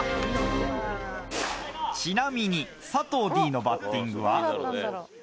ちなみに佐藤Ｄのバッティングは。